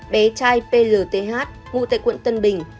bé trai plth ngụ tại quận tân bình